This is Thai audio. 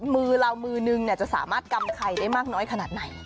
มือเรามือนึงจะสามารถกำไข่ได้มากน้อยขนาดไหน